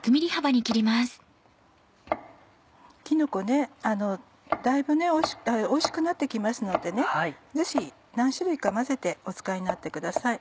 きのこねおいしくなって来ますのでぜひ何種類か混ぜてお使いになってください。